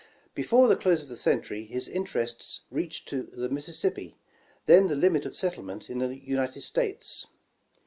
Before the close of the century his interests reached to the Mississippi, then the limit of settlement in the United States.